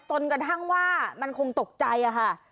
จนกระทั่งว่ามันคงตกใจค่ะ